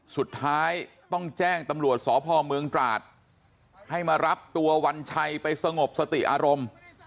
สุดท้ายต้องแจ้งตำรวจสพเมืองตราดให้มารับตัววันชัยไปสงบสติอารมณ์